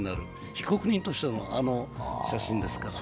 被告人としてのあの写真ですから。